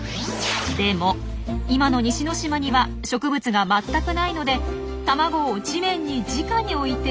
でも今の西之島には植物が全く無いので卵を地面にじかに置いて抱いているんです。